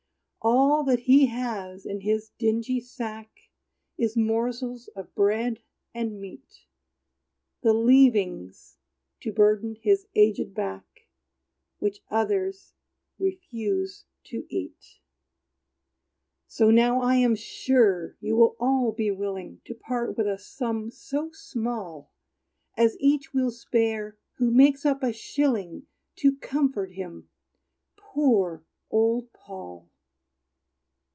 All that he has in his dingy sack Is morsels of bread and meat, The leavings, to burden his aged back, Which others refused to eat. So now I am sure, you will all be willing To part with a sum so small As each will spare, who makes up a shilling To comfort him Poor old Paul!